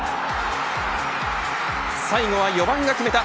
最後は４番が決めた。